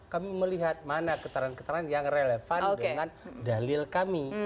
kami melihat mana keterangan keterangan yang relevan dengan dalil kami